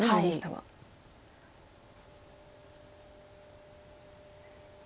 はい。